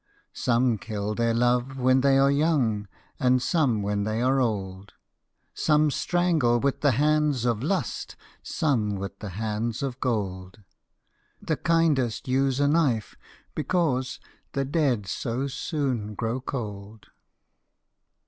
Some kill their love when they are young, And some when they are old; Some strangle with the hands of Lust, Some with the hands of Gold: The kindest use a knife, because The dead so soon grow cold.